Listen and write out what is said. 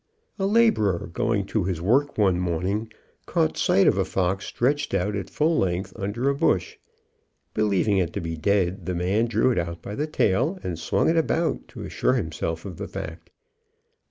A labourer going to his work one morning sight of a fox stretched out at full length under a bush. Believing it to be dead, the man drew it out by the tail, and swung it about to assure himself of the fact.